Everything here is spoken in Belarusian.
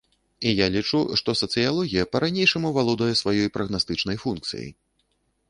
І я лічу, што сацыялогія па-ранейшаму валодае сваёй прагнастычнай функцыяй.